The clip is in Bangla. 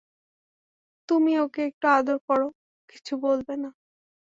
তুমি ওকে একটু আদর করো, ও কিছু বলবে না।